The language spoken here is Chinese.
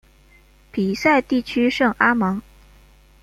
皮赛地区圣阿芒。